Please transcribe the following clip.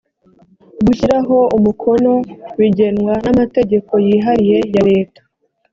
gushyiraho umukono bigenwa n ‘amategeko yihariye ya leta.